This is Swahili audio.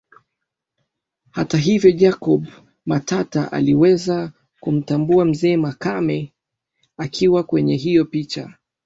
Hata hivyo Jacob matata aliweza kumtambua mzee Makame akiwa kwenye hiyo picha